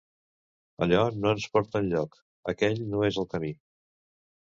Allò no ens porta enlloc, aquell no és el camí.